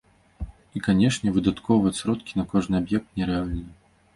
І, канешне, выдаткоўваць сродкі на кожны аб'ект нерэальна.